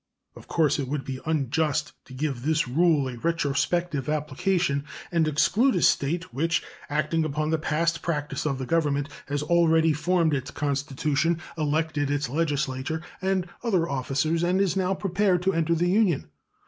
Of course it would be unjust to give this rule a retrospective application, and exclude a State which, acting upon the past practice of the Government, has already formed its constitution, elected its legislature and other officers, and is now prepared to enter the Union.